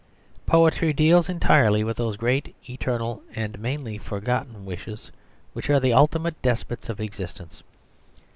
Poetry deals entirely with those great eternal and mainly forgotten wishes which are the ultimate despots of existence.